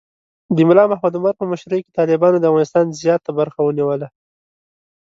د ملا محمد عمر په مشرۍ کې طالبانو د افغانستان زیات برخه ونیوله.